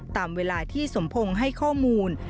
ตามเวลาที่สมพงศ์ให้ข้อมูล